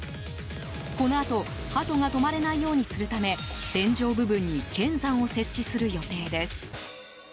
このあと、ハトが止まれないようにするため天井部分に剣山を設置する予定です。